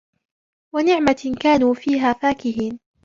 وَنَعْمَةٍ كَانُوا فِيهَا فَاكِهِينَ